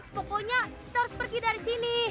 pokoknya kita harus pergi dari sini